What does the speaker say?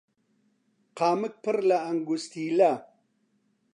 قامک پڕ لە ئەنگوستیلە